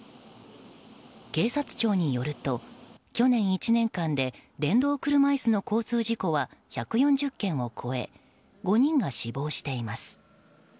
警察庁によると去年１年間で電動車椅子の交通事故は１４０件を超え５人が死亡しています。